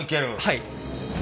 はい。